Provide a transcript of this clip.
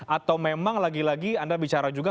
atau memang lagi lagi anda bicara juga